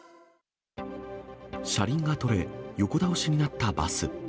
車輪が取れ、横倒しになったバス。